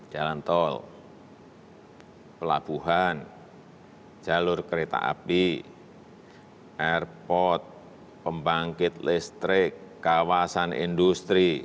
jalan tol pelabuhan jalur kereta api airport pembangkit listrik kawasan industri